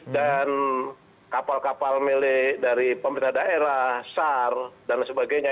dan kapal kapal milik dari pemerintah daerah sar dan sebagainya